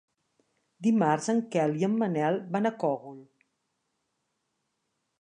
Dimarts en Quel i en Manel van al Cogul.